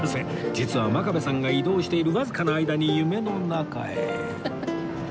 実は真壁さんが移動しているわずかな間に夢の中へ